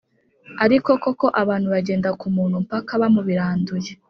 Ariko Koko abantu bagenda ku muntu paka bamubiranduye.